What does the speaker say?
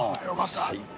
最高。